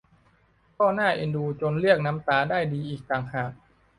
ก็น่าเอ็นดูจนเรียกน้ำตาได้ดีอีกต่างหาก